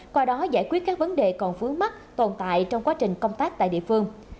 qua đó giải quyết các vấn đề còn vướng mắt tồn tại trong quá trình công tác tại địa phương